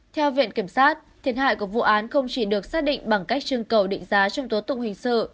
theo viện kiểm sát thiệt hại của vụ án không chỉ được xác định bằng cách trưng cầu định giá trong tố tụng hình sự